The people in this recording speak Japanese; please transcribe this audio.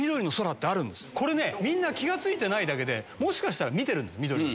これねみんな気付いてないだけでもしかしたら見てるんです。